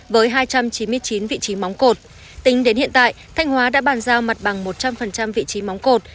với hai trăm chín mươi chín vị trí móng cột tính đến hiện tại thanh hóa đã bàn giao mặt bằng một trăm linh vị trí móng cột